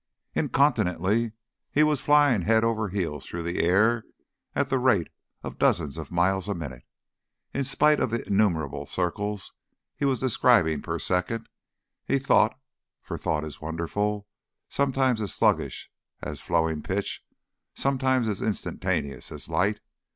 Incontinently he was flying head over heels through the air at the rate of dozens of miles a minute. In spite of the innumerable circles he was describing per second, he thought; for thought is wonderful sometimes as sluggish as flowing pitch, sometimes as instantaneous as light.